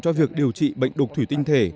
cho việc điều trị bệnh đục thủy tinh thể